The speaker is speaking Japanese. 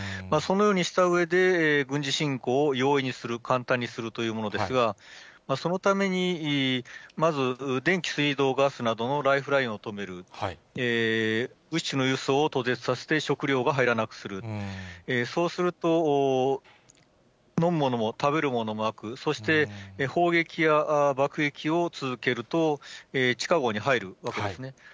そのようにしたうえで、軍事侵攻を容易にする、簡単にするというものですが、そのために、まず、電気、水道、ガスなどのライフラインを止める、物資の輸送を途絶させて、食料が入らなくする、そうすると、飲むものも食べるものもなく、そして砲撃や爆撃を続けると、地下ごうに入るわけですね。